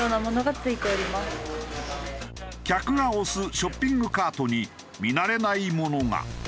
客が押すショッピングカートに見慣れないものが。